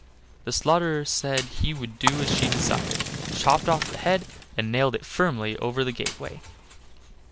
The slaughterer said he would do as she desired, chopped off the head, and nailed it firmly over the gateway.